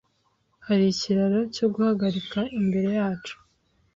Hari ikiraro cyo guhagarika imbere yacu